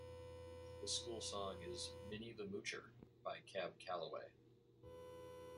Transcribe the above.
The school song is "Minnie the Moocher" by Cab Calloway.